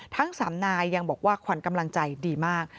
ทั้ง๓นายยังบอกว่าขวัญกำลังใจดีมาก